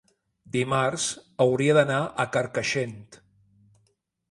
Dimarts hauria d'anar a Carcaixent.